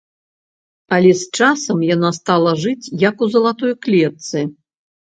Але з часам яна стала жыць, як у залатой клетцы.